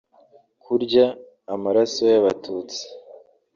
kurya amaraso y’Abatutsi